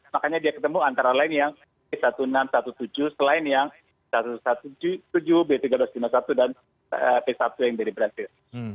makanya dia ketemu antara lain yang b enam belas b tujuh belas selain yang b tujuh belas b tiga puluh dua b lima puluh satu dan b satu yang dari brazil